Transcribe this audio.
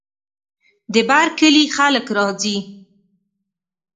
د بر کلي خلک راځي.